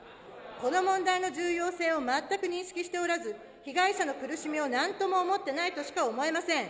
この問題の重要性を全く認識しておらず、被害者の苦しみをなんとも思っていないとしか思えません。